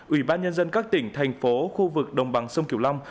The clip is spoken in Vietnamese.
ủy ban nhân dân các tỉnh thành phố khu vực đồng bằng sông kiều long